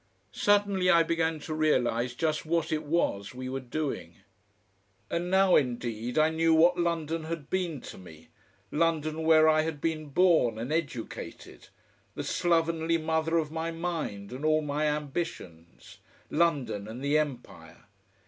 Suddenly I began to realise just what it was we were doing. And now, indeed, I knew what London had been to me, London where I had been born and educated, the slovenly mother of my mind and all my ambitions, London and the empire!